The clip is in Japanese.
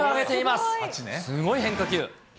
すごい変化球。